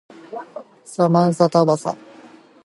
サマンサタバサ